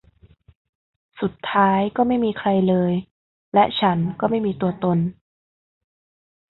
สุดท้าย ก็ไม่มีใครเลย และฉันก็ไม่มีตัวตน